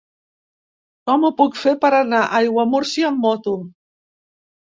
Com ho puc fer per anar a Aiguamúrcia amb moto?